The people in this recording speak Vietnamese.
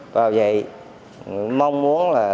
vào vậy mong muốn là bây giờ kết hợp đồng rồi không biết làm gì